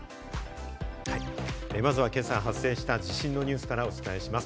まずは今朝発生した地震のニュースからお伝えします。